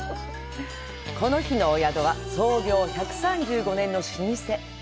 この日のお宿は、創業１３５年の老舗。